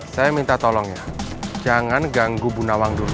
saya minta tolong ya jangan ganggu bu nawang dulu